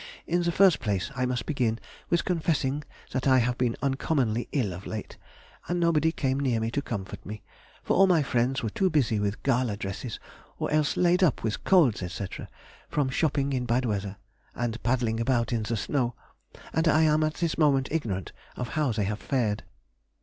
In the first place, I must begin with confessing that I have been uncommonly ill of late, and nobody came near me to comfort me; for all my friends were too busy with gala dresses, or else laid up with colds, &c., from shopping in bad weather, and paddling about in the snow, and I am at this moment ignorant of how they have fared....